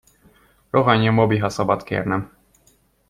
Rohanjon, Bobby, ha szabad kérnem!